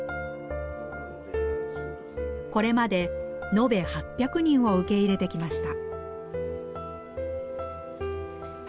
これまでのべ８００人を受け入れてきました。